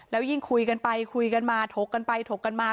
แล้วยิ่งคุยกันไปคุยกันมาถกกันไปถกกันมา